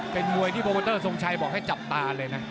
เป็นมวยที่โปรโมเตอร์ทรงชัยบอกให้จับตาเลยนะ